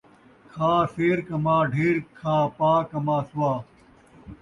کھا سیر ، کما ڈھیر ، کھا پاء ، کما سُؤا